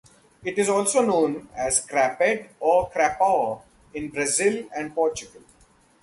It is also known as crapette or crapot in Brazil and Portugal.